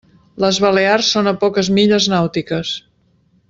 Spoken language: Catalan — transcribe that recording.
Les Balears són a poques milles nàutiques.